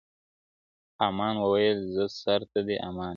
هامان وویل زما سر ته دي امان وي -